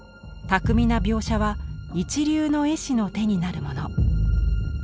巧みな描写は一流の絵師の手になるもの。